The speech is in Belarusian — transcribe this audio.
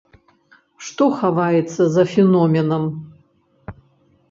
Што хаваецца за феноменам?